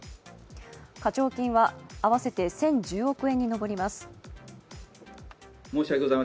課徴金は合わせて１０１０億円に上ります。